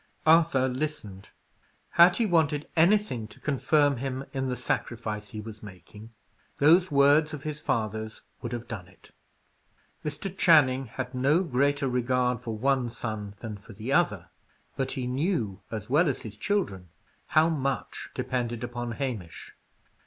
'" Arthur listened. Had he wanted anything to confirm him in the sacrifice he was making, those words of his father's would have done it. Mr. Channing had no greater regard for one son than for the other; but he knew, as well as his children, how much depended upon Hamish.